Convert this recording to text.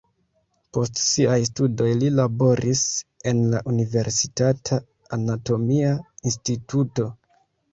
Post siaj studoj li laboris en la universitata anatomia instituto.